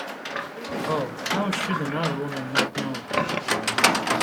Oh, how should another woman not know?